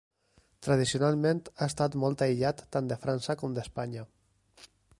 Tradicionalment ha estat molt aïllat tant de França com d'Espanya.